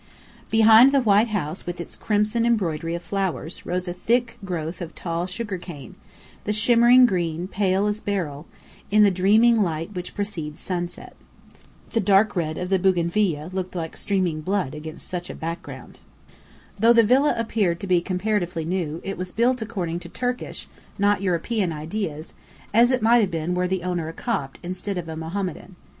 Behind the white house with its crimson embroidery of flowers, rose a thick growth of tall sugar cane, the shimmering green pale as beryl, in the dreaming light which precedes sunset. The dark red of the bougainvillia looked like streaming blood against such a background. Though the villa appeared to be comparatively new, it was built according to Turkish, not European ideas, as it might have been were the owner a Copt instead of a Mohammedan.